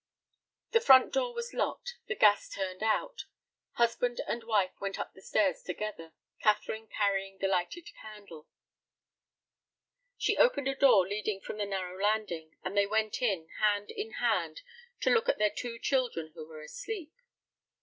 The front door was locked, the gas turned out. Husband and wife went up the stairs together, Catherine carrying the lighted candle. She opened a door leading from the narrow landing, and they went in, hand in hand, to look at their two children who were asleep.